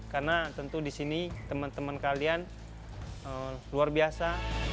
karena tentu di sini teman teman kalian luar biasa